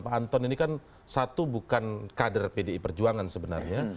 pak anton ini kan satu bukan kader pdi perjuangan sebenarnya